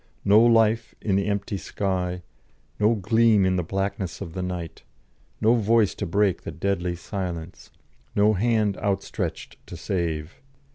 No life in the empty sky; no gleam in the blackness of the night; no voice to break the deadly silence; no hand outstretched to save.